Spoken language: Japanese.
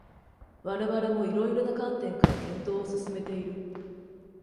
我々も色々な観点から検討を進めている